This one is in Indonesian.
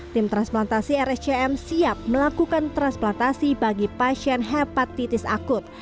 tim transplantasi rscm siap melakukan transplantasi bagi pasien hepatitis akut